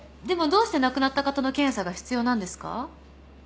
でもどうして亡くなった方の検査が必要なんですか？